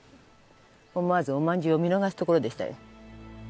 思わずおまんじゅうを見逃すところでしたよ